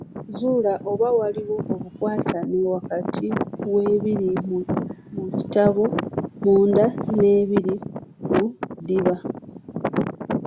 Zuula oba waliwo obukwatane wakati w’ebiri mu kitabo munda n’ebiri ku ddiba.